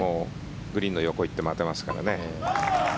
グリーンの横に行って待てますからね。